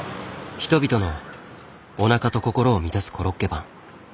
人々のおなかと心を満たすコロッケパン。